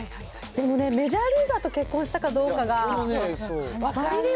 でもね、メジャーリーガーと結婚したかどうかが分かんない。